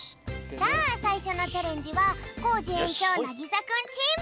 さあさいしょのチャレンジはコージ園長なぎさくんチーム！